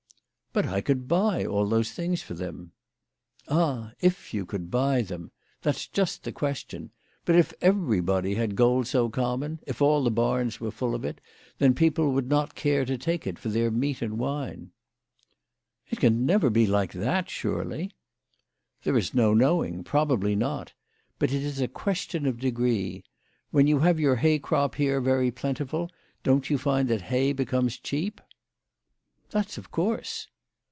"But I could buy all those things for them." " Ah, if you could buy them ! That's just the question. But if everybody had gold so common, if all the barns were full of it, then people would not care to take it for their meat and wine/' " It never can be like that, surely." " There is no knowing ; probably not. But it is a question of degree. When you have your hay crop here very plentiful, don't you find that hay becomes cheap?" " That's of course."